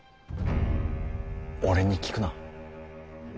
俺に聞くな。